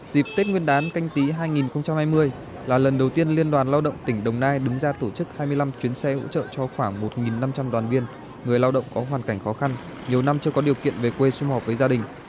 dịp tết nguyên đán canh tí hai nghìn hai mươi là lần đầu tiên liên đoàn lao động tỉnh đồng nai đứng ra tổ chức hai mươi năm chuyến xe hỗ trợ cho khoảng một năm trăm linh đoàn viên người lao động có hoàn cảnh khó khăn nhiều năm chưa có điều kiện về quê xung hợp với gia đình